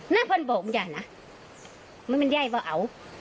น่าผ่านบกตัวใหญ่นะมันเย่ยก็เอา